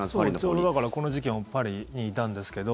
ちょうど、この時期もパリにいたんですけど。